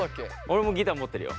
俺もギター持ってるよ。